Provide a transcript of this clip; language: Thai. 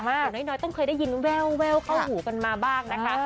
อย่างน้อยต้องเคยได้ยินแววเข้าหูกันมาบ้างนะคะ